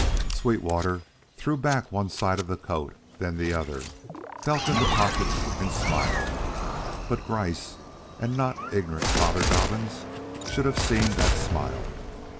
Sweetwater threw back one side of the coat, then the other, felt in the pockets and smiled. But Gryce, and not ignorant Father Dobbins, should have seen that smile.